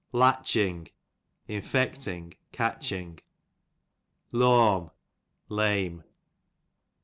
Latching, infecting, catching. Lawm, lame.